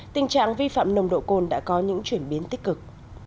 tình trạng vi phạm nồng độ cồn đã có những chuyển biến tích cực